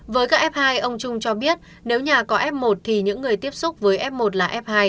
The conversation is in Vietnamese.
với các f hai ông trung cho biết nếu nhà có f một thì những người tiếp xúc với f một là f hai